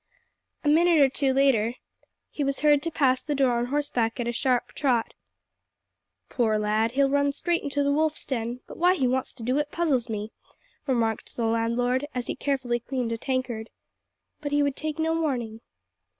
A minute or two later he was heard to pass the door on horseback at a sharp trot. "Poor lad, he'll run straight into the wolf's den; but why he wants to do it puzzles me," remarked the landlord, as he carefully cleaned a tankard. "But he would take no warning."